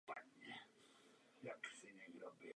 Jeho oblíbeným příkladem dobrého vládce je Cesare Borgia.